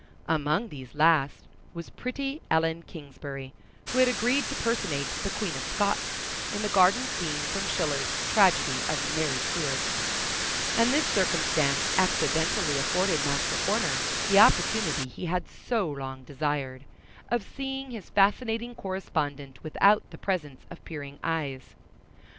Among these last was pretty Ellen Kingsbury, who had agreed to personate the Queen of Scots, in the garden scene from Schiller's tragedy of Mary Stuart; and this circumstance accidentally afforded Master Horner the opportunity he had so long desired, of seeing his fascinating correspondent without the presence of peering eyes.